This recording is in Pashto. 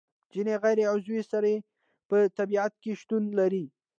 ځینې غیر عضوي سرې په طبیعت کې شتون لري.